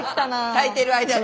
炊いてる間に。